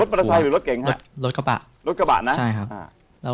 รถปราไซด์หรือรถเก๋งครับ